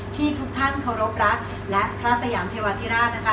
ทุกท่านเคารพรักและพระสยามเทวาธิราชนะคะ